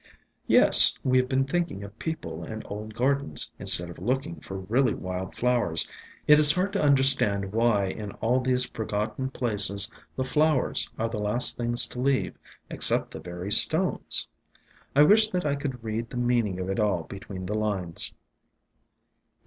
"Yes; we 've been thinking of people and old gardens, instead of looking for really wild flowers. It is hard to understand why in all these forgotten places the flowers are the last things to leave ex cept the very stones. I wish that I could read the meaning of it all between the lines."